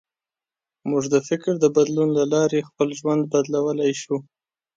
موږ د فکر د بدلون له لارې خپل ژوند بدلولی شو.